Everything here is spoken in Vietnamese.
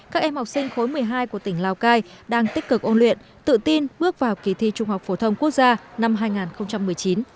các em học sinh khối một mươi hai của tỉnh lào cai đang tích cực ôn luyện tự tin bước vào kỳ thi trung học phổ thông quốc gia năm hai nghìn một mươi chín